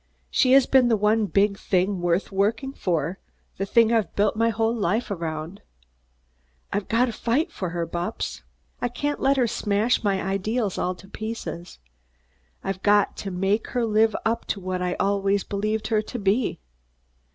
She has been the one big thing worth working for; the thing I've built my whole life around. I've got to fight for her, Bupps. I can't let her smash my ideals all to pieces. I've got to make her live up to what I've always believed her to be."